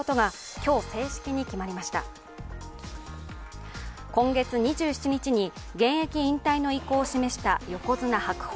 今月２７日に現役引退の意向を示した横綱・白鵬。